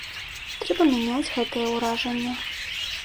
Трэба мяняць гэтае ўражанне.